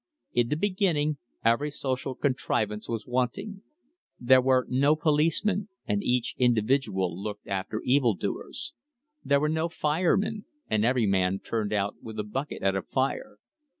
In the beginning every social contrivance was wanting. There were no policemen, and each individual looked after evil doers. There were no firemen, and every man turned out with a bucket at a fire.